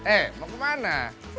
eh mau kemana